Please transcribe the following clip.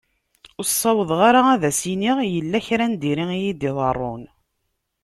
Ur sawḍeɣ ara ad as-iniɣ yella kra n diri iyi-d-iḍerrun.